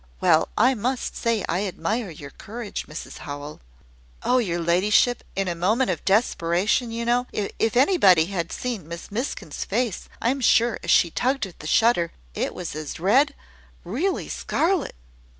Well, I must say I admire your courage, Mrs Howell." "Oh, your ladyship, in a moment of desperation, you know... If anybody had seen Miss Miskin's face, I'm sure, as she tugged at the shutter it was as red... really scarlet!"